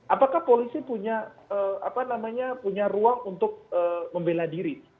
apakah polisi punya ruang untuk membela diri